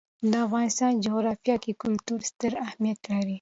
د افغانستان جغرافیه کې کلتور ستر اهمیت لري.